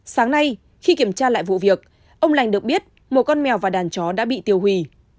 sáng nay khi kiểm tra lại vụ việc ông lành được biết một con mèo và đàn chó đã bị tiêu hủy